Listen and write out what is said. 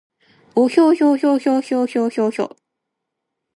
おひょひょひょひょひょひょ